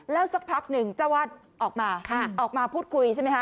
แล้วสักพักหนึ่งเจ้าวาดออกมาออกมาพูดคุยใช่ไหมคะ